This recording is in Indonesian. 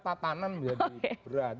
tatanan menjadi berat